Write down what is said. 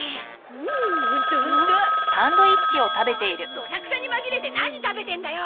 どさくさに紛れて何食べてんだよ！